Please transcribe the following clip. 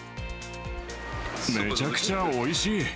めちゃくちゃおいしい。